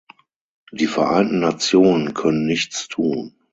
Die Vereinten Nationen können nichts tun.